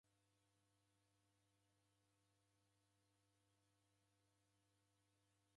M'baa wa isanga wazerie w'andu w'isekeobua kifwa.